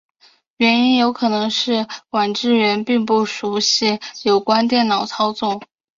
原因有可能是管制员并不熟习有关电脑操作。